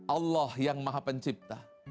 allah yang maha pencipta